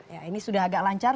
ya ini sudah agak lancar